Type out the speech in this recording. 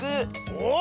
おっ！